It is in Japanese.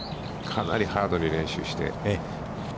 かなりハードに練習して。